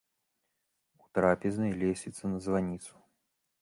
У трапезнай лесвіца на званіцу.